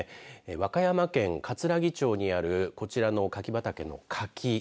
和歌山県かつらぎ町にあるこちらの柿畑の柿。